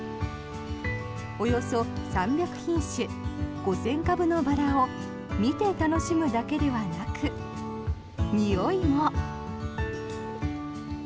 およそ３００品種５０００株のバラを見て楽しむだけではなくにおいも。